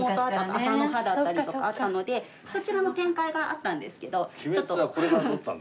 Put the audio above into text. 麻の葉だったりとかあったのでそちらの展開があったんですけど。